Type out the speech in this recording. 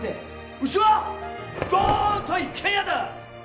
うちは「ドーンと一軒家」だ！